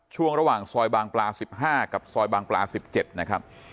ช่วงระหว่างซอยบางปลาสิบห้ากับซอยบางปลาสิบเจ็ดนะครับ